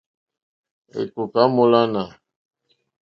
Èkòká mólánà.